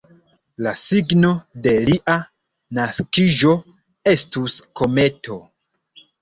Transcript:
La signo de lia naskiĝo estus kometo.